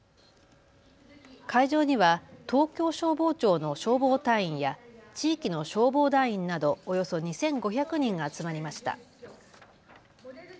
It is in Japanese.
会場には東京消防庁の消防隊員や地域の消防団員などおよそ２５００人が集まりました。